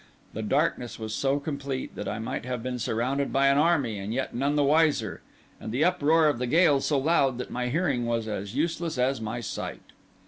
The darkness was so complete that I might have been surrounded by an army and yet none the wiser, and the uproar of the gale so loud that my hearing was as useless as my sight.